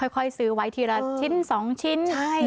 ค่อยซื้อไว้ทีละชิ้น๒ชิ้น